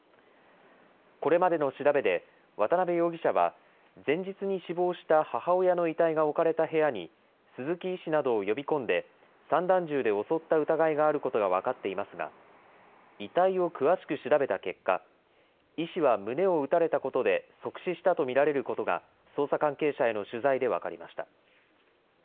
これまでの調べで、渡邊容疑者は、前日に死亡した母親の遺体が置かれた部屋に、鈴木医師などを呼び込んで、散弾銃で襲った疑いがあることが分かっていますが、遺体を詳しく調べた結果、医師は胸を撃たれたことで即死したと見られることが、捜査関係者への取材で分かりました。